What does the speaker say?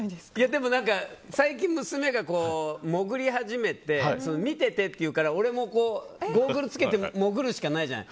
でも最近娘が潜り始め見ていてというから俺もゴーグルつけて潜るしかないじゃない。